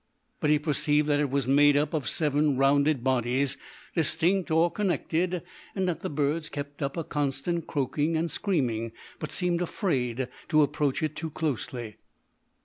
But he perceived that it was made up of seven rounded bodies, distinct or connected, and that the birds kept up a constant croaking and screaming, but seemed afraid to approach it too closely.